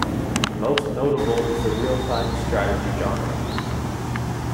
Most notable is the real-time strategy genre.